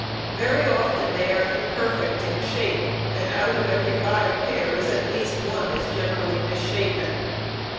Very often they are imperfect in shape, and out of every five pairs at least one is generally misshapen.